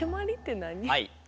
はい。